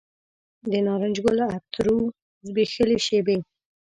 د نارنج ګل عطرو زبیښلې شیبې